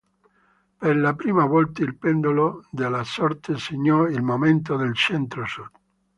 Per la prima volta il pendolo della sorte segnò il momento del centro-sud.